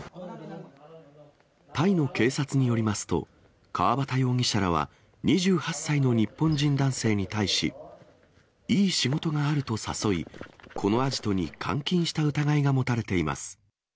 タイの警察によりますと、川端容疑者らは、２８歳の日本人男性に対し、いい仕事があると誘い、このアジトに監禁した疑いが持たれています。